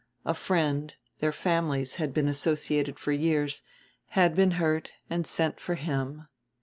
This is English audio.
A friend, their families had been associated for years, had been hurt and sent for him....